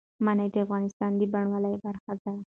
منی د افغانستان د بڼوالۍ برخه ده.